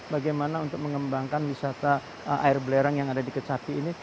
bagaimana untuk mengembangkan wisata air belerang yang ada di kecaki ini